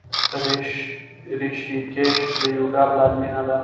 ریشیکیش د یوګا پلازمینه ده.